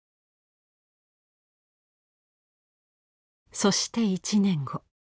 そして１年後。